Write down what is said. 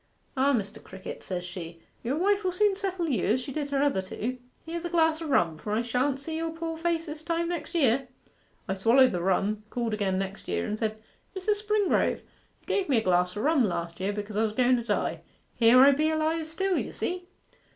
"Ah, Mr. Crickett," says she, "your wife will soon settle you as she did her other two: here's a glass o' rum, for I shan't see your poor face this time next year." I swallered the rum, called again next year, and said, "Mrs. Springrove, you gave me a glass o' rum last year because I was going to die here I be alive still, you see."